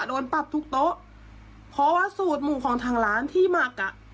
โดนปรับทุกโต๊ะเพราะว่าสูตรหมูของทางร้านที่หมักอ่ะ